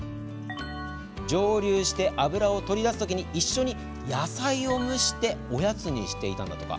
蒸留して油を取り出す時に一緒に野菜を蒸しておやつにしていました。